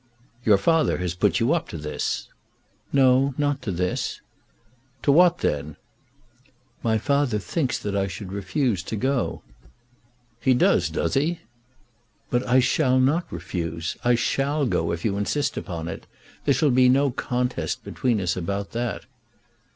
"Your father has put you up to this." "No; not to this." "To what then?" "My father thinks that I should refuse to go." "He does, does he?" "But I shall not refuse. I shall go if you insist upon it. There shall be no contest between us about that."